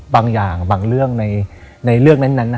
บางอย่างบางเรื่องในเรื่องนั้น